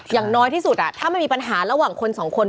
อย่างน้อยที่สุดถ้ามันมีปัญหาระหว่างคนสองคน